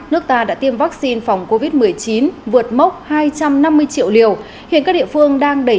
nước ta đã tiêm vaccine phòng covid một mươi chín vượt mốc hai trăm năm mươi triệu liều hiện các địa phương đang đẩy